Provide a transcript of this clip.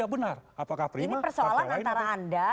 benar apakah prima atau lainnya ini persoalan antara anda